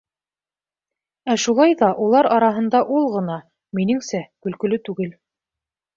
Ә шулай ҙа улар араһында ул ғына, минеңсә, көлкөлө түгел.